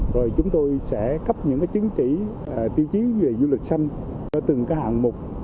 rồi chúng tôi sẽ cấp những chứng chỉ tiêu chí về du lịch xanh từng hạng mục